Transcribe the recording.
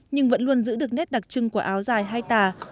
nhưng vẫn luôn giữ được nét đặc trưng của áo dài hai tà